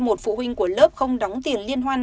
một phụ huynh của lớp không đóng tiền liên hoan